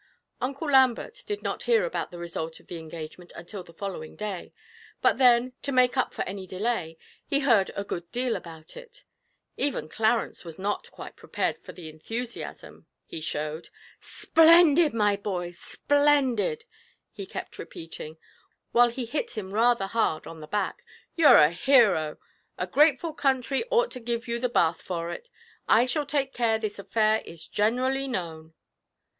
Uncle Lambert did not hear about the result of the engagement until the following day, but then, to make up for any delay, he heard a good deal about it. Even Clarence was not quite prepared for the enthusiasm he showed. 'Splendid, my boy, splendid!' he kept repeating, while he hit him rather hard on the back; 'you're a hero. A grateful country ought to give you the Bath for it. I shall take care this affair is generally known.'